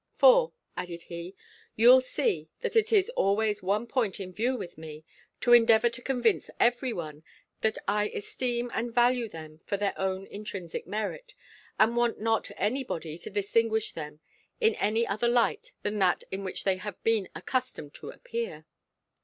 For," added he, "you'll see, that it is always one point in view with me, to endeavour to convince every one, that I esteem and value them for their own intrinsic merit, and want not any body to distinguish them in any other light than that in which they have been accustomed to appear."